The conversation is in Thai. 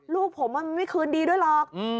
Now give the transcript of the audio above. ลูกผมมันไม่คืนดีด้วยหรอก